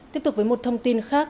tiếp tục với một thông tin khác